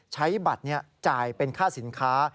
ใช้บัตรจ่ายเป็นค่าสินค้า